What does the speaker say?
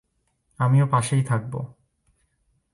আমিও পাশেই থাকব।